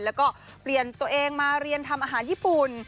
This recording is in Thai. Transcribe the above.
แล้วก็เปลี่ยนตัวเองมาเรียนทำอาหารญี่ปุ่น